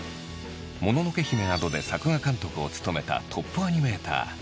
「もののけ姫」などで作画監督を務めたトップアニメーター。